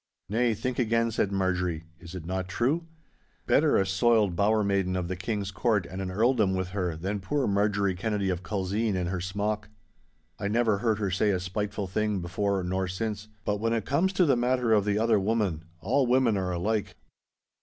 'Nay, think again,' said Marjorie; 'is it not true? Better a soiled bower maiden of the King's court and an earldom with her, than poor Marjorie Kennedy of Culzean in her smock!' I never heard her say a spiteful thing before nor since—but when it comes to the matter of the Other Woman, all women are alike.